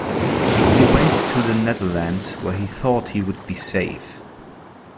He went to the Netherlands where he thought he would be safe.